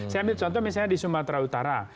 saya ambil contoh misalnya di sumatera utara